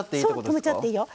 止めちゃっていいよ。